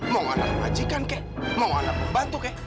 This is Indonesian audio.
mau anak majikan kek mau anak pembantu kek